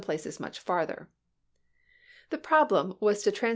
Vol VI places much farther." The problem was to trans p.